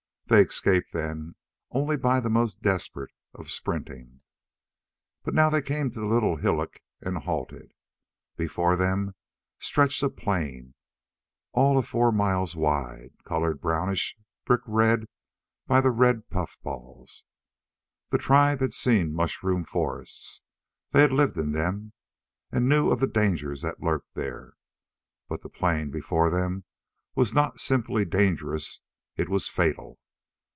They escaped then only by the most desperate of sprinting. But now they came to the little hillock and halted. Before them stretched a plain, all of four miles wide, colored a brownish brick red by the red puffballs. The tribe had seen mushroom forests they had lived in them and knew of the dangers that lurked there. But the plain before them was not simply dangerous; it was fatal.